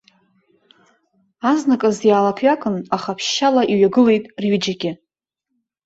Азныказ иаалакҩакын, аха ԥшьшьала иҩагылеит рҩыџьагьы.